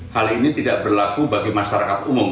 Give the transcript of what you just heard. hal ini tidak berlaku bagi masyarakat umum